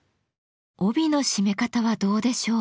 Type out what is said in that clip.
帯の締め方はどうでしょう？